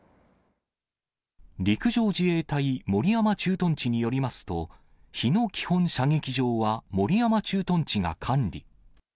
陸上自衛隊守山駐屯地によりますと、日野基本射撃場は守山駐屯地が管理。